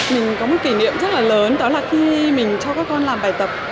mình có một kỷ niệm rất là lớn đó là khi mình cho các con làm bài tập